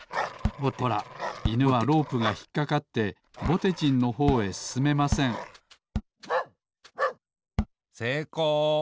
ほらいぬはロープがひっかかってぼてじんのほうへすすめませんせいこう。